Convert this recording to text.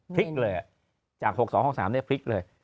พลิกเลยอะจาก๖๒๖๓เนี่ยพลิกเลย